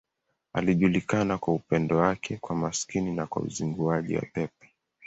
Alijulikana kwa upendo wake kwa maskini na kwa uzinguaji wa pepo.